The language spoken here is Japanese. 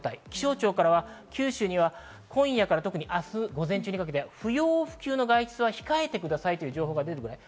気象庁から九州には今夜から特に明日の午前中にかけては不要不急の外出は控えてくださいという情報が出ています。